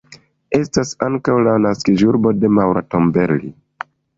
Estas ankaŭ la naskiĝurbo de Maura Tombelli.